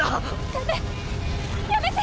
ダメやめて！